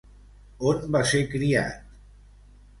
On va ser criat?